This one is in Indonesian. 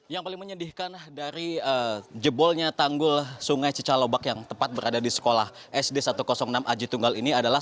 yang paling menyedihkan dari jebolnya tanggul sungai cicalobak yang tepat berada di sekolah sd satu ratus enam aji tunggal ini adalah